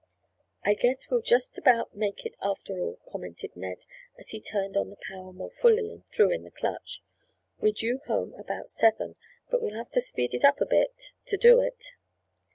"I guess we'll just about make it after all," commented Ned, as he turned on the power more fully and threw in the clutch. "We're due home about seven, but we'll have to speed it up a bit to do it.